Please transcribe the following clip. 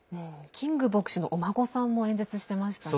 キング牧師のお孫さんも演説していましたね。